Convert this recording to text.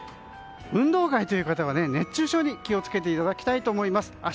運動会という方は熱中症に気を付けていただきたいと思います。